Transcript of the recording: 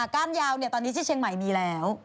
ก้านยาวตอนนี้ที่เชียงใหม่มีแล้ว